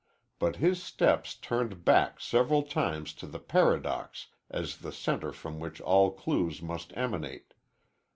But his steps turned back several times to the Paradox as the center from which all clues must emanate.